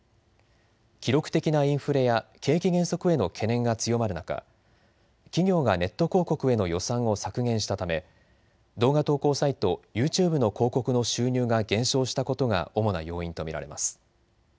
記録的なインフレや景気減速への懸念が強まる中、企業がネット広告への予算を削減したため動画投稿サイト、ユーチューブの広告の収入が減少したことが主な要因と見られます。